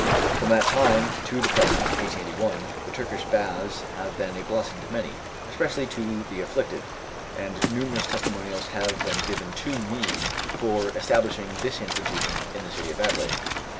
From that time to the present (1881) the Turkish Baths have been a blessing to many, especially to the afflicted; and numerous testimonials have been given to me for establishing this institution in the city of Adelaide.